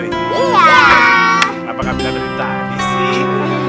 kenapa kak bilang tadi sih